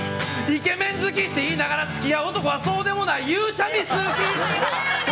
イケメン好きって言いながら付き合う男はそうでもないゆうちゃみ好き。